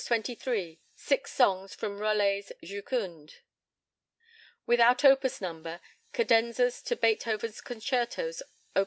23, Six Songs from Rollet's "Jucunde." Without opus number, Cadenzas to Beethoven's concertos, Op.